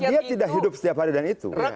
dia tidak hidup setiap hari dan itu